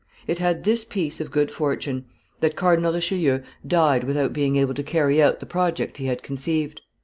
It had this piece of good fortune, that Cardinal Richelieu died without being able to carry out the project he had conceived.